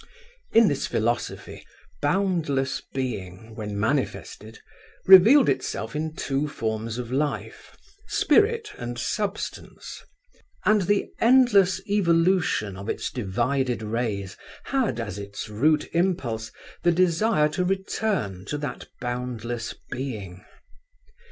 In this philosophy, Boundless Being, when manifested, revealed itself in two forms of life, spirit and substance; and the endless evolution of its divided rays had as its root impulse the desire to return to that boundless being.